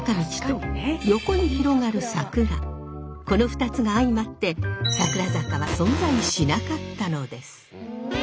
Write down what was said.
この２つが相まって桜坂は存在しなかったのです。